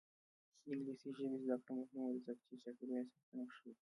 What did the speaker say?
د انګلیسي ژبې زده کړه مهمه ده ځکه چې چاپیریال ساتنه ښيي.